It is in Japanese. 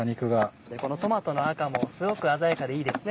このトマトの赤もすごく鮮やかでいいですね。